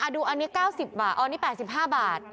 ดูอันนี้๙๐บาทอันนี้๘๕บาท